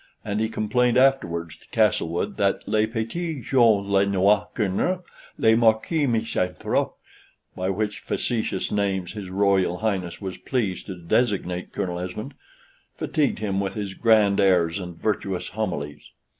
And he complained afterwards to Castlewood, that "le petit jaune, le noir Colonel, le Marquis Misanthrope" (by which facetious names his Royal Highness was pleased to designate Colonel Esmond), "fatigued him with his grand airs and virtuous homilies."